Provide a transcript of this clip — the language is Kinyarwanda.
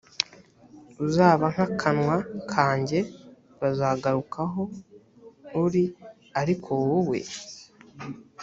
uzaba nk akanwa kanjye bazagaruka aho uri ariko wowe